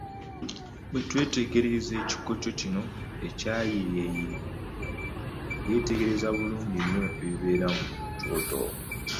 Bwe twetegereza ekikoco kino, eyakiyiiya yeetegereza bulungi nnyo ebibeera mu kyoto.